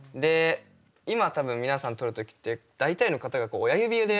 今多分皆さん撮る時って大体の方がこう親指で。